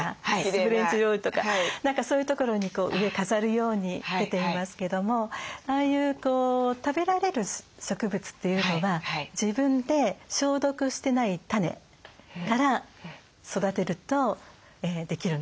フレンチ料理とか何かそういうところに上飾るように出ていますけどもああいう食べられる植物というのは自分で消毒してない種から育てるとできるんですね。